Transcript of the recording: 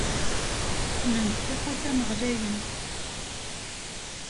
Qqnen-d tixutam ɣlayen.